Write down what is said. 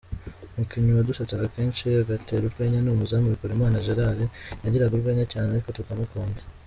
Umukinnyi wadusetsaga kenshi, agatera urwenya ni umuzamu Bikorimana Gerald, yagiraga urwenya cyane ariko tukamukunda.